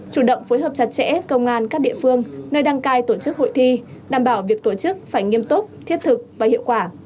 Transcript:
chủ động phối hợp chặt chẽ công an các địa phương nơi đăng cai tổ chức hội thi đảm bảo việc tổ chức phải nghiêm túc thiết thực và hiệu quả